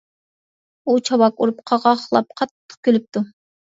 ئۇ چاۋاك ئۇرۇپ، قاقاقلاپ قاتتىق كۈلۈپتۇ.